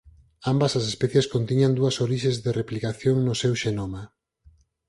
Ambas as especies contiñan dúas orixes de replicación no seu xenoma.